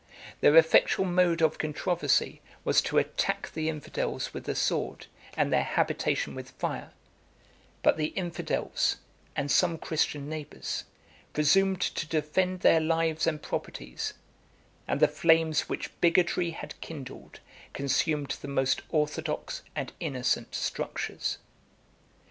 Their effectual mode of controversy was to attack the infidels with the sword, and their habitation with fire: but the infidels, and some Christian neighbors, presumed to defend their lives and properties; and the flames which bigotry had kindled, consumed the most orthodox and innocent structures.